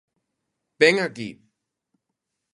Ven aquí!